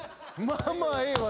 「まぁまぁええわ」